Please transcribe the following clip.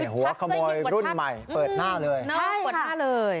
หัวขโมยรุ่นใหม่เปิดหน้าเลยชอบเปิดหน้าเลย